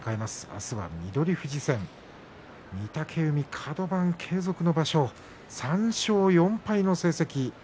あすは翠富士戦御嶽海カド番、継続の場所３勝４敗の成績。